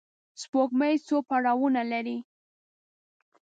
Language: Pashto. سپوږمۍ څو پړاوونه لري